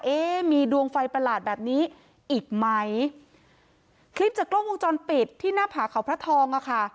เอ๊ะมีดวงไฟประหลาดแบบนี้อีกไหมคลิปจากกล้องวงจรปิดที่หน้าผาเขาพระทองอ่ะค่ะ